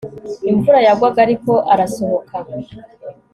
Imvura yagwaga ariko arasohoka